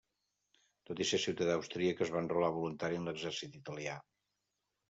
Tot i ser ciutadà austríac, es va enrolar voluntari en l'exèrcit italià.